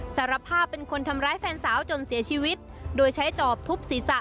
สารภาพเป็นคนทำร้ายแฟนสาวจนเสียชีวิตโดยใช้จอบทุบศีรษะ